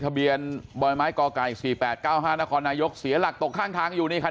ทะเบียนบ่อยไม้กไก่๔๘๙๕นครนายกเสียหลักตกข้างทางอยู่นี่ครับ